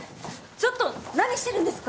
ちょっと何してるんですか！？